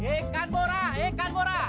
ikan burah ikan burah